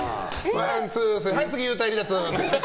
ワンツー、はい、次幽体離脱！